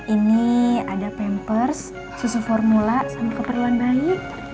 ini ada pampers susu formula sama keperluan bayi